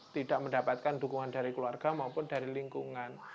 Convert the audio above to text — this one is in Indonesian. tidak mendapatkan dukungan dari keluarga maupun dari lingkungan